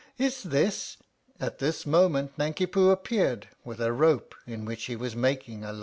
Is this " At this moment Nanki Poo appeared, with a rope in which he was making a large noose.